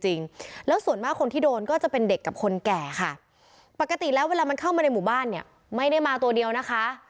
จริงแล้วส่วนมากคนที่โดนก็จะเป็นเด็กกับคนแก่ค่ะปกติแล้วเวลามันเข้ามาในหมู่บ้านเนี่ยไม่ได้มาตัวเดียวนะคะ